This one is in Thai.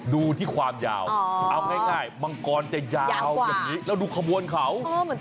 ดูที่ความยาวเอาง่ายมังกรจะยาวอย่างนี้แล้วดูขบวนเขา